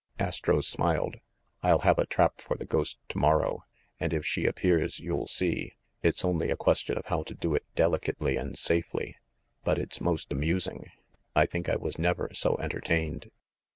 Astro smiled. "I'll have a trap for the ghost to morrow, and if she appears you'll see. It's only a question of how to do it delicately and safely. But it's most amusing. I think I was never so enter tained."